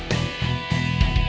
saya yang menang